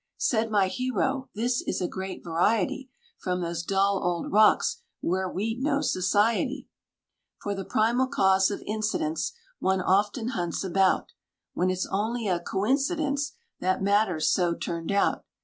Said my hero, "This is a great variety From those dull old rocks, where we'd no society." For the primal cause of incidents, One often hunts about, When it's only a coincidence That matters so turned out.